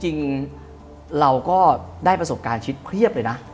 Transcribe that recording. จริงเราก็ได้ประสบการณ์ชีวิตเพียบเลยนะ